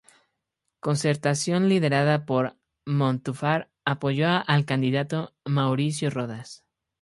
Concertación liderada por Montúfar apoyó al candidato Mauricio Rodas.